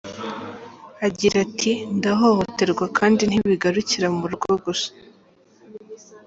Agira ati: “Ndahohoterwa kandi ntibigarukira mu rugo gusa.